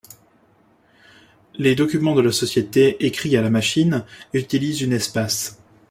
Les documents de la société écrits à la machine utilisent une espace.